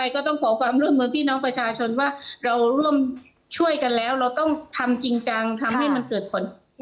ก็ต้องขอความร่วมมือพี่น้องประชาชนว่าเราร่วมช่วยกันแล้วเราต้องทำจริงจังทำให้มันเกิดผล